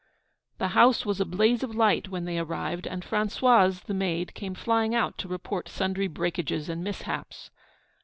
The house was a blaze of light when they arrived, and Françoise, the maid, came flying out to report sundry breakages and mishaps.